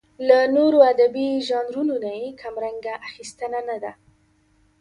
له نورو ادبي ژانرونو یې کمرنګه اخیستنه نه ده.